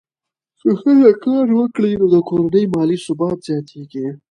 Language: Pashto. که ښځه کار وکړي، نو د کورنۍ مالي ثبات زیاتېږي.